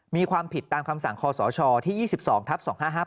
มีความผิดตามคำสั่งคศที่๒๒ทับ๒๕๕๘